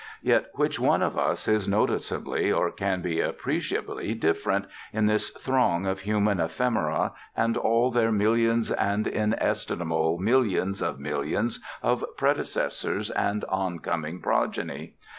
Yet which one of us is noticeably, or can be appreciably different, in this throng of human ephemeræ and all their millions and inestimable millions of millions of predecessors and oncoming progeny?